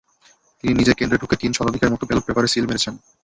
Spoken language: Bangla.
তিনি নিজে কেন্দ্রে ঢুকে তিন শতাধিকের মতো ব্যালট পেপারে সিল মেরেছেন।